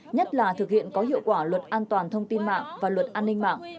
nhất là thực hiện có hiệu quả luật an toàn thông tin mạng và luật an ninh mạng